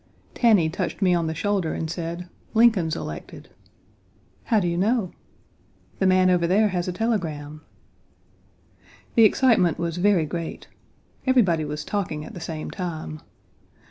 Tanny touched me on the shoulder and said: "Lincoln's elected." "How do you know?" "The man over there has a telegram." The excitement was very great. Everybody was talking at the same time.